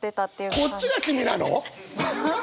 こっちが君なの！？